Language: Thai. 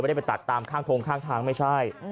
ได้ไปตัดตามข้างทงข้างทางไม่ใช่